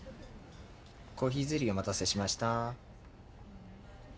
コーヒーゼリーお待たせしました。